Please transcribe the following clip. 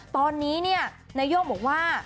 ตอนนี้เนี่ยนาย่งบอกว่า